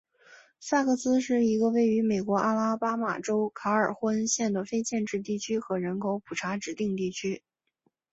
萨克斯是一个位于美国阿拉巴马州卡尔霍恩县的非建制地区和人口普查指定地区。